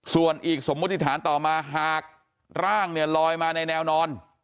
ส่วนอีกสมมุติฐานต่อมาหากร่างเนี่ยลอยมาในแนวนอน